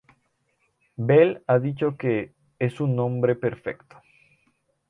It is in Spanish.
Bell ha dicho que “es un nombre perfecto.